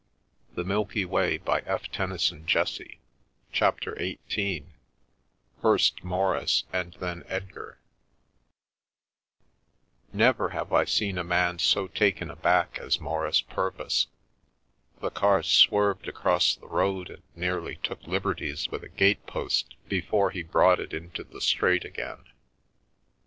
To the moon, to the edge of tfa _1 S ff CHAPTER XVIII FIRST MAURICE AND THEN EDGAR NEVER have I seen a man so taken aback as Maurice Purvis. The car swerved across the road and nearly took liberties with a gatepost before he brought it into the straight again.